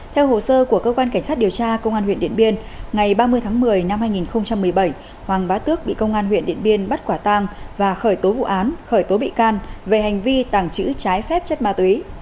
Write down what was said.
theo hồ sơ của cơ quan cảnh sát điều tra công an huyện điện biên ngày ba mươi tháng một mươi năm hai nghìn một mươi bảy hoàng bá tước bị công an huyện điện biên bắt quả tang và khởi tố vụ án khởi tố bị can về hành vi tàng trữ trái phép chất ma túy